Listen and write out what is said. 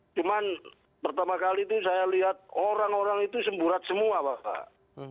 cuman pertama kali itu saya lihat orang orang itu semburat semua bapak